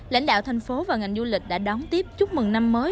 lãnh đạo thành phố và ngành du lịch đã đón tiếp chúc mừng năm mới